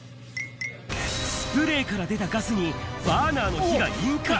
スプレーから出たガスに、バーナーの火が引火。